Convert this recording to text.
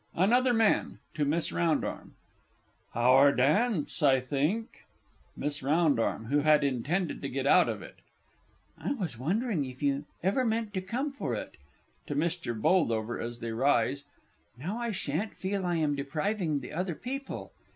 ANOTHER MAN (to MISS R.). Our dance, I think? MISS R. (who had intended to get out of it). I was wondering if you ever meant to come for it. (To MR. B., as they rise.) Now I sha'n't feel I am depriving the other people!